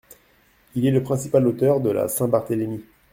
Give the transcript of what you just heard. Il est le principal auteur de la Saint-Barthélemy.